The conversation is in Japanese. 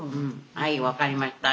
「はい分かりました」